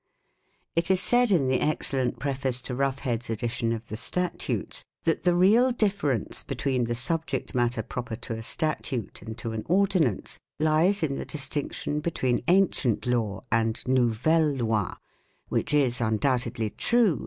It is said in the excellent preface to Ruffhead's edition of the statutes, 3 that the real difference be tween the subject matter proper to a statute and to an ordinance lies in the distinction between ancien law and " novel ley "; which is undoubtedly true, but 1 Op.